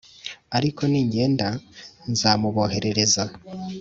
Ariko ningenda nzamuboherereza